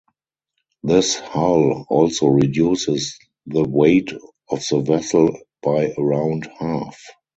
This hull also reduces the weight of the vessel by around half.